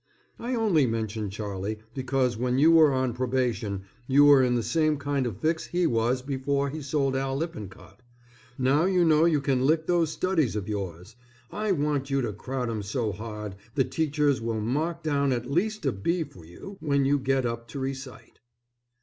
I only mention Charlie because when you were on probation you were in the same kind of fix he was before he sold Al Lippincott. Now you know you can lick those studies of yours. I want you to crowd 'em so hard the teachers will mark down at least a B for you when you get up to recite.